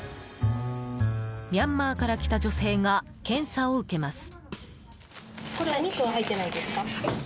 ミャンマーから来た女性が検査を受けます。